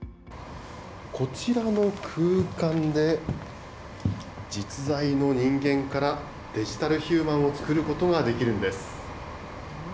こちらの空間で実在の人間からデジタルヒューマンを作ることができるんです。